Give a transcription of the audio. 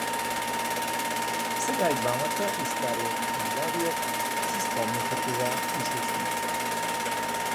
Сега и двамата, и старият и младият, си спомняха това и се усмихваха.